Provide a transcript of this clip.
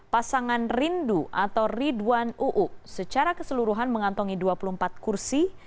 pasangan rindu atau ridwan uu secara keseluruhan mengantongi dua puluh empat kursi